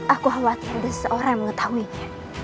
aku khawatir seseorang yang mengetahuinya